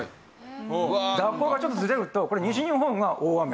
蛇行がちょっとずれると西日本が大雨